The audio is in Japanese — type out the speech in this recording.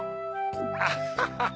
アハハハ！